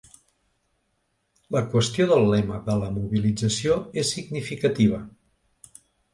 La qüestió del lema de la mobilització és significativa.